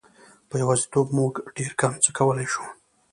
په یوازیتوب موږ ډېر کم څه کولای شو.